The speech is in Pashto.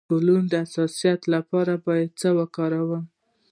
د ګلانو د حساسیت لپاره باید څه وکاروم؟